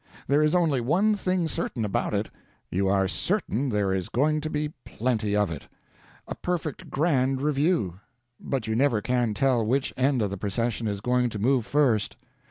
There is only one thing certain about it: you are certain there is going to be plenty of it a perfect grand review; but you never can tell which end of the procession is going to move first.